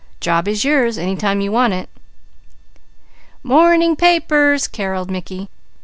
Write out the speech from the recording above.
"Job is yours any time you want it." "Morning papers," carrolled Mickey.